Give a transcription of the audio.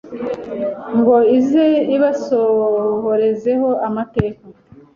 ngo ize ibasohorezeho amateka